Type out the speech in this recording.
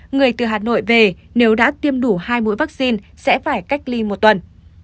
người từ hà nội về nếu đã tiêm đủ hai mũi vaccine sẽ phải cách ly một tuần